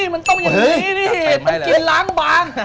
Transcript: มันต้องอย่างนี้นี่มันกินล้างบาง